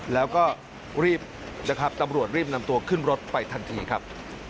แล้วก็รีบตำรวจนำตัวขึ้นรถไปทันทีครับ